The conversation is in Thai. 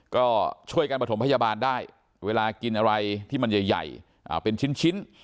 ก็ช่วยกันประถมพยาบาลได้เวลากินอะไรที่มันใหญ่เป็นชิ้น